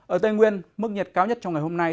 ở tây nguyên mức nhiệt cao nhất trong ngày hôm nay